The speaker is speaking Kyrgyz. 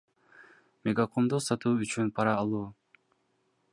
Мегакомду сатуу үчүн пара алуу